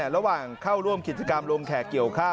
ระหว่างเข้าร่วมกิจกรรมลงแขกเกี่ยวข้าว